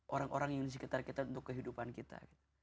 orang orang yang disekitar kita untuk kehidupan kita gitu